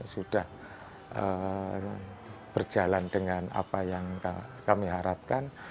sudah berjalan dengan apa yang kami harapkan